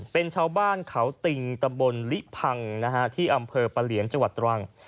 เป็นชาวบ้านเขาติงตำบลลิพังที่อำเภอปะเหลียนจังหวัดตรัง